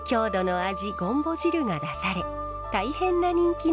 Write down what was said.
ごんぼ汁が出され大変な人気なんだそう。